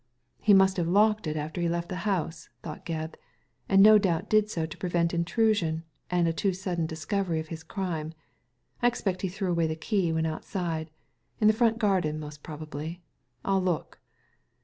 " He must have locked it after he left the house," thought Gebb, "and no doubt did so to prevent intrusion and a too sudden discovery of his crime. I expect he threw away the key when outside. In the front garden most probably ; 1*11 look."